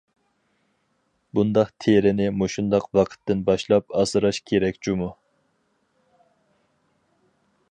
بۇنداق تېرىنى مۇشۇنداق ۋاقىتتىن باشلاپ ئاسراش كېرەك جۇمۇ.